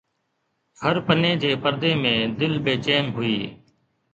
هر پني جي پردي ۾ دل بيچين هئي